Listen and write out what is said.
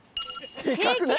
でかくない！？